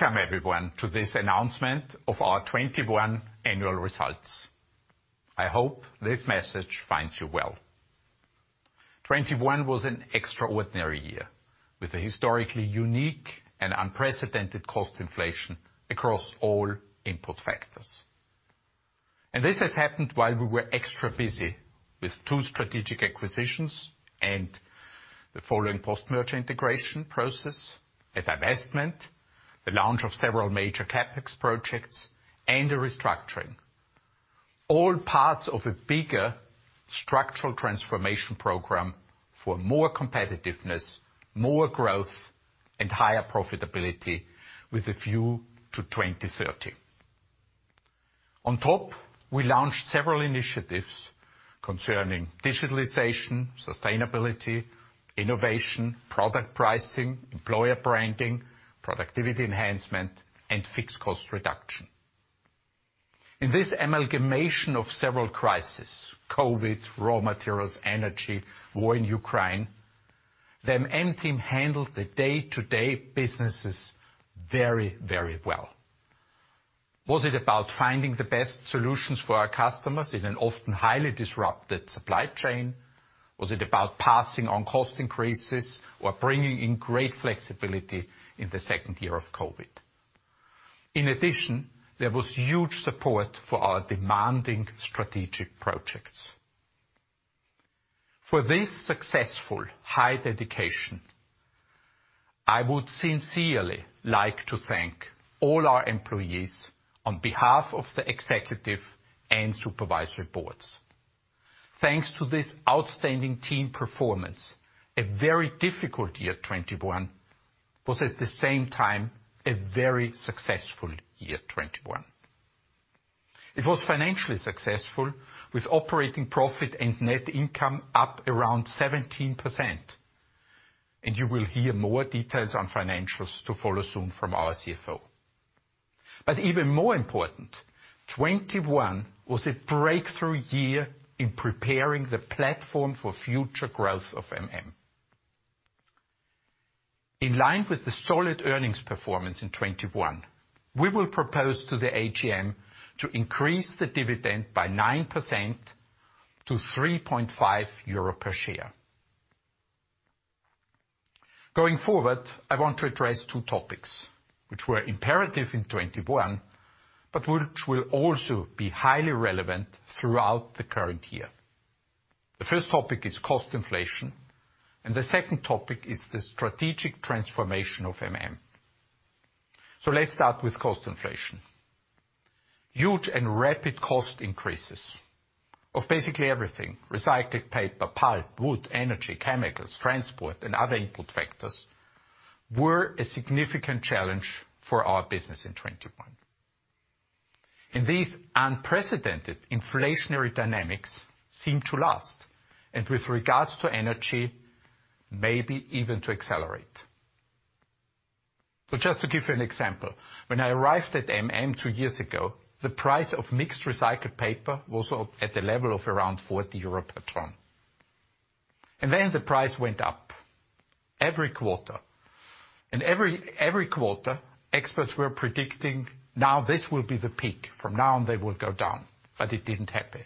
Welcome everyone to this announcement of our 2021 annual results. I hope this message finds you well. 2021 was an extraordinary year, with a historically unique and unprecedented cost inflation across all input factors. This has happened while we were extra busy with two strategic acquisitions and the following post-merger integration process, a divestment, the launch of several major CapEx projects, and a restructuring. All parts of a bigger structural transformation program for more competitiveness, more growth, and higher profitability with a view to 2030. On top, we launched several initiatives concerning digitalization, sustainability, innovation, product pricing, employer branding, productivity enhancement, and fixed cost reduction. In this amalgamation of several crises, COVID, raw materials, energy, war in Ukraine, the MM team handled the day-to-day businesses very, very well. Was it about finding the best solutions for our customers in an often highly disrupted supply chain? Was it about passing on cost increases or bringing in great flexibility in the second year of COVID? In addition, there was huge support for our demanding strategic projects. For this successful high dedication, I would sincerely like to thank all our employees on behalf of the Executive and Supervisory Boards. Thanks to this outstanding team performance, a very difficult year 2021 was at the same time a very successful year 2021. It was financially successful, with operating profit and net income up around 17%. You will hear more details on financials to follow soon from our CFO. Even more important, 2021 was a breakthrough year in preparing the platform for future growth of MM. In line with the solid earnings performance in 2021, we will propose to the AGM to increase the dividend by 9% to 3.5 euro per share. Going forward, I want to address two topics which were imperative in 2021, but which will also be highly relevant throughout the current year. The first topic is cost inflation, and the second topic is the strategic transformation of MM. Let's start with cost inflation. Huge and rapid cost increases of basically everything, recycled paper, pulp, wood, energy, chemicals, transport, and other input factors, were a significant challenge for our business in 2021. These unprecedented inflationary dynamics seem to last, and with regards to energy, maybe even to accelerate. Just to give you an example, when I arrived at MM two years ago, the price of mixed recycled paper was at the level of around 40 euro per ton. Then the price went up every quarter. Every quarter, experts were predicting, "Now this will be the peak. From now on, they will go down." It didn't happen.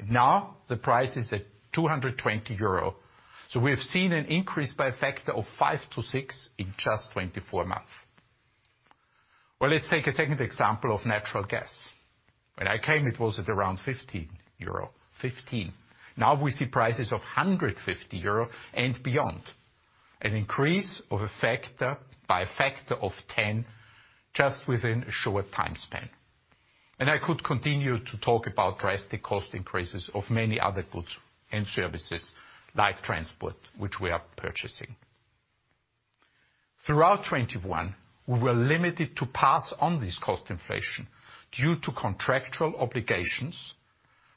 Now the price is at 220 euro. We have seen an increase by a factor of five to six in just 24 months. Well, let's take a second example of natural gas. When I came, it was at around 15 euro, 15. Now we see prices of 150 euro and beyond. An increase by a factor of 10 just within a short time span. I could continue to talk about drastic cost increases of many other goods and services like transport, which we are purchasing. Throughout 2021, we were limited to pass on this cost inflation due to contractual obligations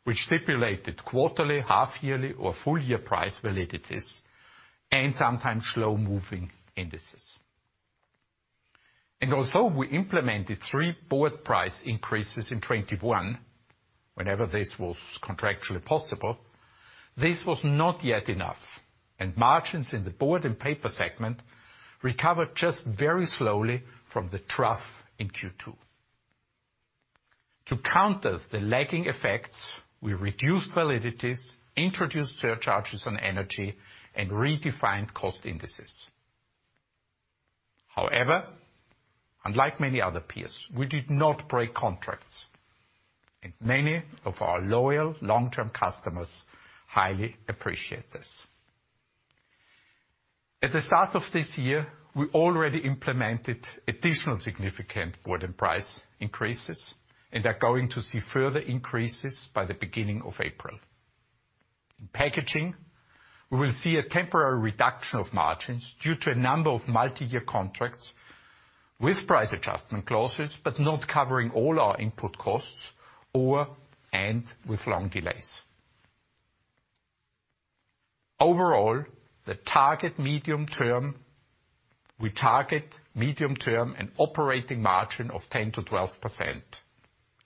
which stipulated quarterly, half-yearly, or full-year price validities, and sometimes slow-moving indices. Although we implemented three board price increases in 2021, whenever this was contractually possible, this was not yet enough, and margins in the Board & Paper segment recovered just very slowly from the trough in Q2. To counter the lagging effects, we reduced validities, introduced surcharges on energy, and redefined cost indices. However, unlike many other peers, we did not break contracts, and many of our loyal, long-term customers highly appreciate this. At the start of this year, we already implemented additional significant board price increases and are going to see further increases by the beginning of April. In Packaging, we will see a temporary reduction of margins due to a number of multi-year contracts with price adjustment clauses, but not covering all our input costs or and with long delays. Overall, the target medium term, we target medium term an operating margin of 10%-12%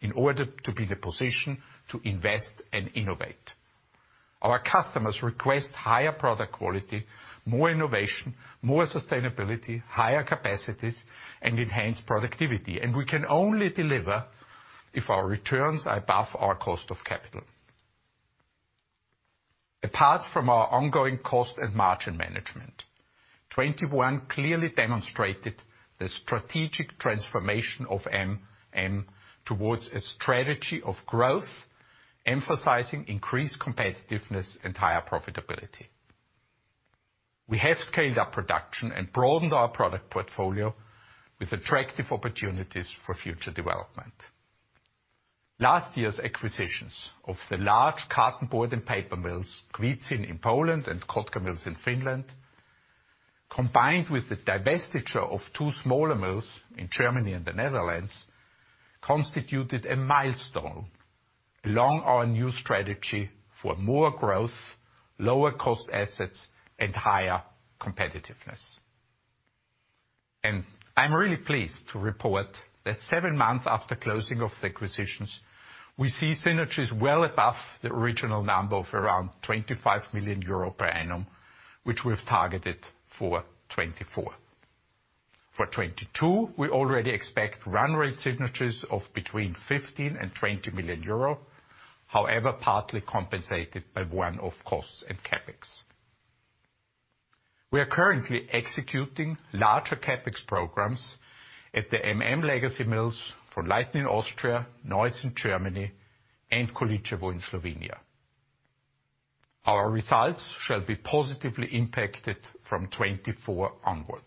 in order to be in a position to invest and innovate. Our customers request higher product quality, more innovation, more sustainability, higher capacities, and enhanced productivity. We can only deliver if our returns are above our cost of capital. Apart from our ongoing cost and margin management, 2021 clearly demonstrated the strategic transformation of MM towards a strategy of growth, emphasizing increased competitiveness and higher profitability. We have scaled up production and broadened our product portfolio with attractive opportunities for future development. Last year's acquisitions of the large cartonboard and paper mills, Kwidzyn in Poland and Kotkamills in Finland, combined with the divestiture of two smaller mills in Germany and the Netherlands, constituted a milestone along our new strategy for more growth, lower cost assets, and higher competitiveness. I'm really pleased to report that seven months after closing of the acquisitions, we see synergies well above the original number of around 25 million euro per annum, which we've targeted for 2024. For 2022, we already expect run rate synergies of between 15 million and 20 million euro, however, partly compensated by one-off costs and CapEx. We are currently executing larger CapEx programs at the MM legacy mills in Leonding, Austria, Neuss, Germany, and Količevo, Slovenia. Our results shall be positively impacted from 2024 onward.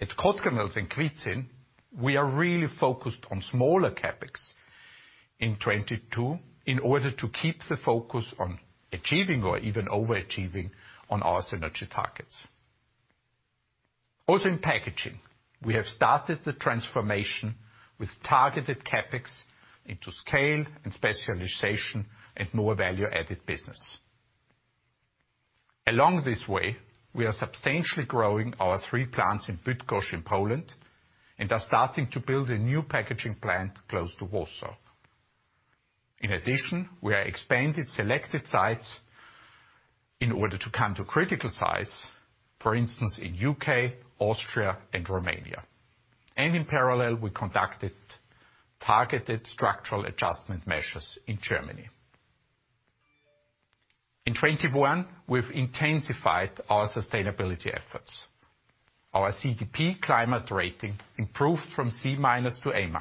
At Kotkamills and Kwidzyn, we are really focused on smaller CapEx in 2022 in order to keep the focus on achieving or even overachieving on our synergy targets. Also, in Packaging, we have started the transformation with targeted CapEx into scale and specialization and more value-added business. Along this way, we are substantially growing our three plants in Bydgoszcz in Poland and are starting to build a new packaging plant close to Warsaw. In addition, we have expanded selected sites in order to come to critical size, for instance, in U.K., Austria, and Romania. In parallel, we conducted targeted structural adjustment measures in Germany. In 2021, we've intensified our sustainability efforts. Our CDP climate rating improved from C- to A-.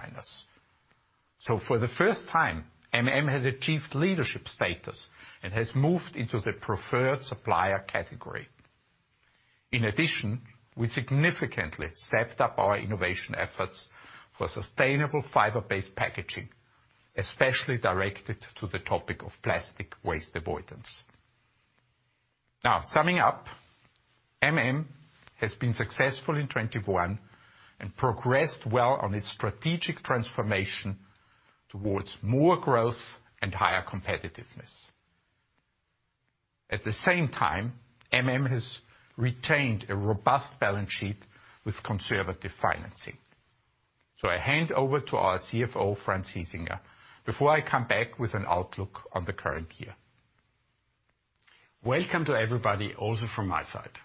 For the first time, MM has achieved leadership status and has moved into the preferred supplier category. In addition, we significantly stepped up our innovation efforts for sustainable fiber-based packaging, especially directed to the topic of plastic waste avoidance. Now summing up, MM has been successful in 2021 and progressed well on its strategic transformation towards more growth and higher competitiveness. At the same time, MM has retained a robust balance sheet with conservative financing. I hand over to our CFO, Franz Hiesinger, before I come back with an outlook on the current year. Welcome to everybody, also from my side.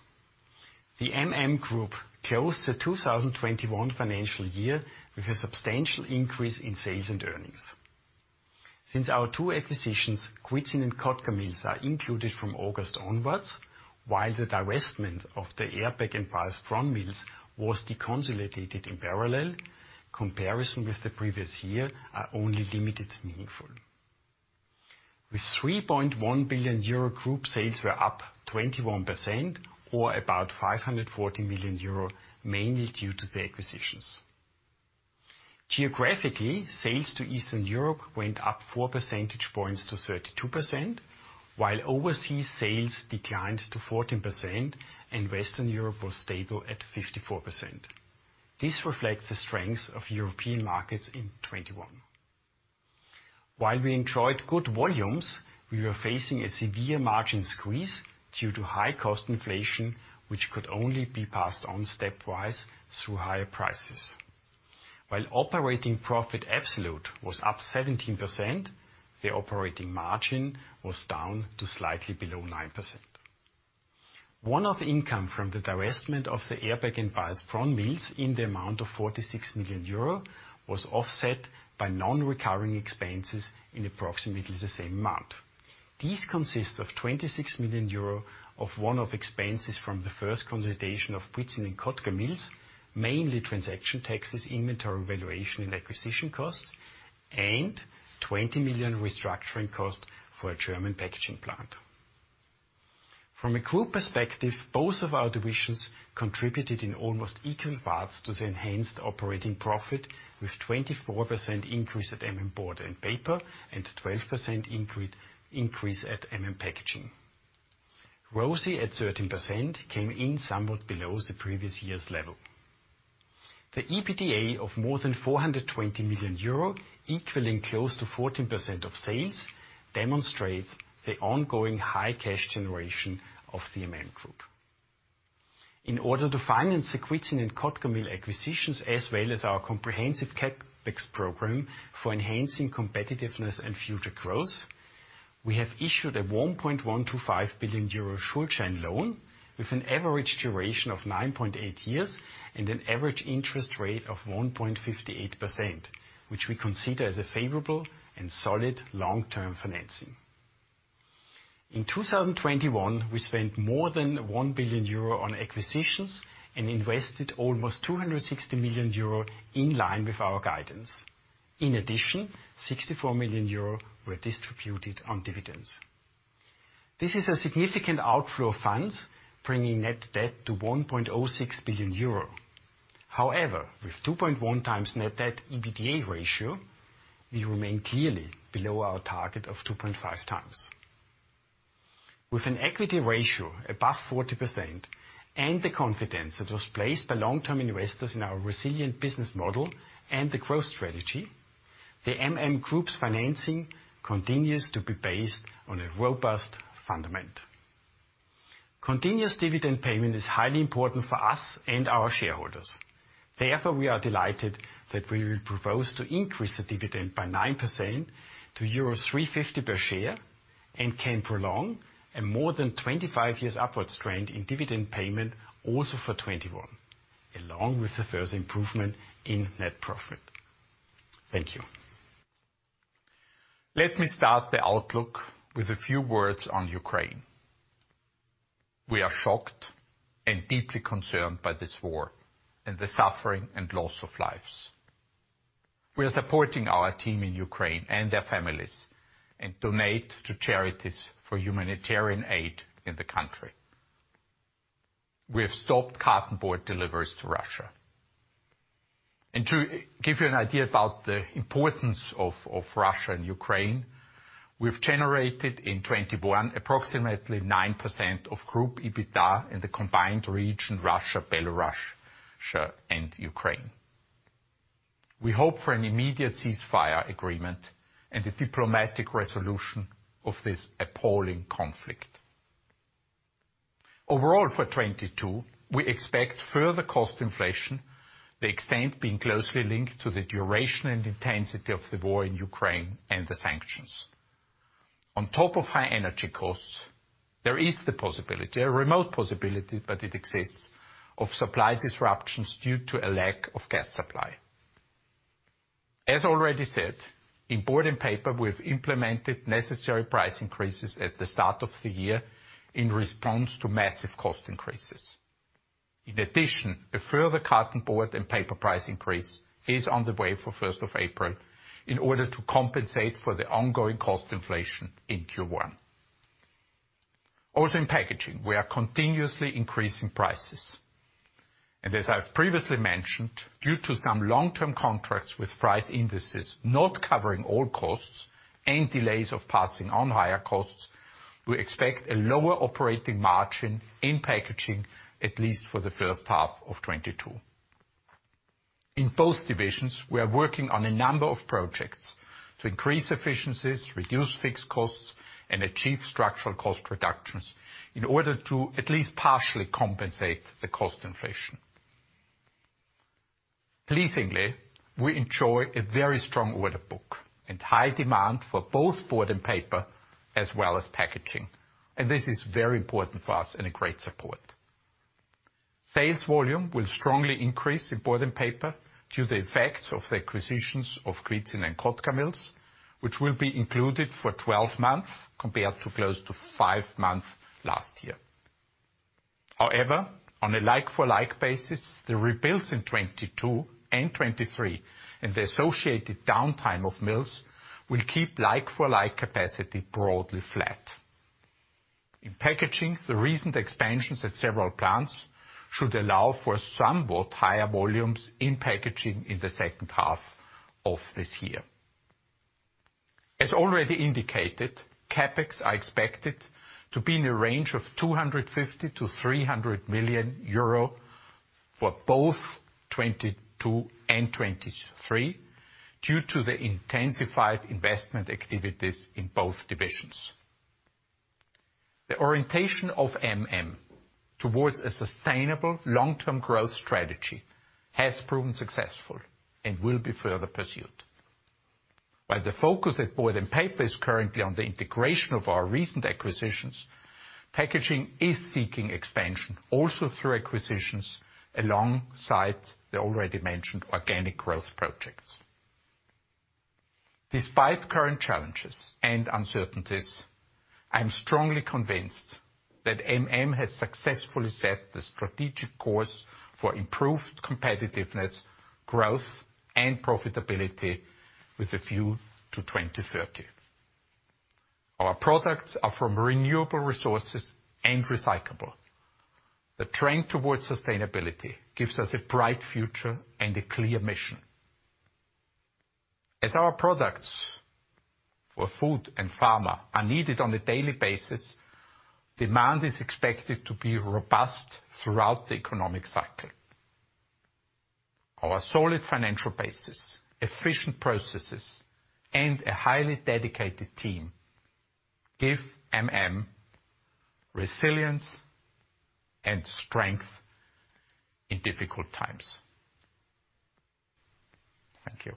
The MM Group closed the 2021 financial year with a substantial increase in sales and earnings. Since our two acquisitions, Kwidzyn and Kotkamills, are included from August onwards, while the divestment of the Eerbeek and Baiersbronn mills was deconsolidated in parallel, comparison with the previous year are only limited meaningful. With 3.1 billion euro, group sales were up 21% or about 540 million euro, mainly due to the acquisitions. Geographically, sales to Eastern Europe went up four percentage points to 32%, while overseas sales declined to 14% and Western Europe was stable at 54%. This reflects the strength of European markets in 2021. While we enjoyed good volumes, we were facing a severe margin squeeze due to high cost inflation, which could only be passed on stepwise through higher prices. While operating profit absolute was up 17%, the operating margin was down to slightly below 9%. One-off income from the divestment of the Eerbeek and Baiersbronn mills in the amount of 46 million euro was offset by non-recurring expenses in approximately the same amount. These consist of 26 million euro of one-off expenses from the first consolidation of Kwidzyn and Kotkamills, mainly transaction taxes, inventory valuation, and acquisition costs, and 20 million restructuring cost for a German packaging plant. From a group perspective, both of our divisions contributed in almost equal parts to the enhanced operating profit with 24% increase at MM Board & Paper and 12% increase at MM Packaging. ROCE at 13% came in somewhat below the previous year's level. The EBITDA of more than 420 million euro, equaling close to 14% of sales, demonstrates the ongoing high cash generation of the MM Group. In order to finance the Kwidzyn and Kotkamills acquisitions, as well as our comprehensive CapEx program for enhancing competitiveness and future growth, we have issued a 1.125 billion euro Schuldschein loan with an average duration of 9.8 years and an average interest rate of 1.58%, which we consider as a favorable and solid long-term financing. In 2021, we spent more than 1 billion euro on acquisitions and invested almost 260 million euro in line with our guidance. In addition, 64 million euro were distributed on dividends. This is a significant outflow of funds, bringing net debt to 1.06 billion euro. However, with 2.1x net debt EBITDA ratio, we remain clearly below our target of 2.5x. With an equity ratio above 40% and the confidence that was placed by long-term investors in our resilient business model and the growth strategy, the MM Group's financing continues to be based on a robust fundament. Continuous dividend payment is highly important for us and our shareholders. Therefore, we are delighted that we will propose to increase the dividend by 9% to euro 3.50 per share and can prolong a more than 25 years upward trend in dividend payment also for 2021, along with the first improvement in net profit. Thank you. Let me start the outlook with a few words on Ukraine. We are shocked and deeply concerned by this war and the suffering and loss of lives. We are supporting our team in Ukraine and their families and donate to charities for humanitarian aid in the country. We have stopped cartonboard deliveries to Russia. To give you an idea about the importance of Russia and Ukraine, we've generated in 2021 approximately 9% of group EBITDA in the combined region, Russia, Belarus, and Ukraine. We hope for an immediate ceasefire agreement and a diplomatic resolution of this appalling conflict. Overall, for 2022, we expect further cost inflation, the extent being closely linked to the duration and intensity of the war in Ukraine and the sanctions. On top of high energy costs, there is the possibility, a remote possibility, but it exists, of supply disruptions due to a lack of gas supply. As already said, in Board & Paper, we have implemented necessary price increases at the start of the year in response to massive cost increases. In addition, a further cartonboard and paper price increase is on the way for the first of April in order to compensate for the ongoing cost inflation in Q1. Also in Packaging, we are continuously increasing prices. As I've previously mentioned, due to some long-term contracts with price indices not covering all costs and delays of passing on higher costs, we expect a lower operating margin in Packaging at least for the first half of 2022. In both divisions, we are working on a number of projects to increase efficiencies, reduce fixed costs, and achieve structural cost reductions in order to at least partially compensate the cost inflation. Pleasingly, we enjoy a very strong order book and high demand for both Board & Paper, as well as Packaging. This is very important for us and a great support. Sales volume will strongly increase in Board & Paper due to the effect of the acquisitions of Kwidzyn and Kotkamills, which will be included for 12 months compared to close to five months last year. However, on a like-for-like basis, the rebuilds in 2022 and 2023 and the associated downtime of mills will keep like-for-like capacity broadly flat. In Packaging, the recent expansions at several plants should allow for somewhat higher volumes in Packaging in the second half of this year. As already indicated, CapEx are expected to be in the range of 250 million-300 million euro for both 2022 and 2023 due to the intensified investment activities in both divisions. The orientation of MM towards a sustainable long-term growth strategy has proven successful and will be further pursued. While the focus at Board & Paper is currently on the integration of our recent acquisitions, Packaging is seeking expansion also through acquisitions alongside the already mentioned organic growth projects. Despite current challenges and uncertainties, I am strongly convinced that MM has successfully set the strategic course for improved competitiveness, growth, and profitability with a view to 2030. Our products are from renewable resources and recyclable. The trend towards sustainability gives us a bright future and a clear mission. As our products for food and pharma are needed on a daily basis, demand is expected to be robust throughout the economic cycle. Our solid financial basis, efficient processes, and a highly dedicated team give MM resilience and strength in difficult times. Thank you.